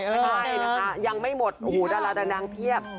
ใช่นะคะยังไม่หมดดาราดันดังเพียบ